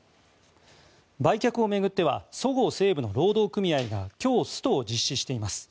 売却を巡ってはそごう・西武の労働組合が今日、ストを実施しています。